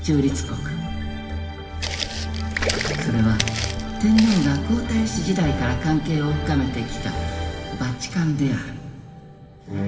それは天皇が皇太子時代から関係を深めてきたバチカンである。